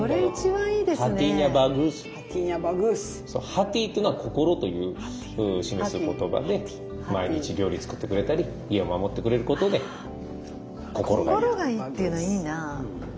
「ハティー」というのは心という示す言葉で毎日料理作ってくれたり家を守ってくれることで心がいい。